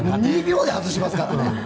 ２秒で外しますから。